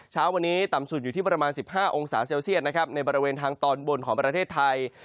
เช้าวันนี้ต่ำสุดอยู่ที่ประมาณ๑๕องศาเซลเซียตนะครับในบริเวณทางตอนบนของประเทศไทย